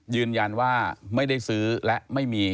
ยืนยันว่าไม่ได้ซื้อและไม่มี